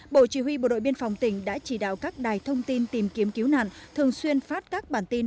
bộ chỉ huy bộ đội biên phòng tỉnh đã chỉ đạo các đài thông tin tìm kiếm cứu nạn thường xuyên phát các bản tin